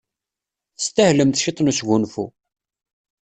Testahlem ciṭṭ n wesgunfu.